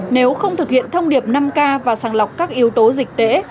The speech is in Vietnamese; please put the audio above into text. nếu không thực hiện thông điệp năm k và sàng lọc các yếu tố dịch tễ